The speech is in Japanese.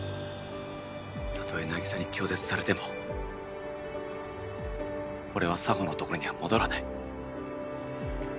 たとえ凪沙に拒絶されても俺は沙帆のところには戻らない。